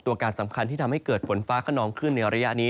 การสำคัญที่ทำให้เกิดฝนฟ้าขนองขึ้นในระยะนี้